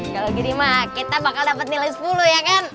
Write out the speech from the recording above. kalau gini mah kita bakal dapat nilai sepuluh ya kan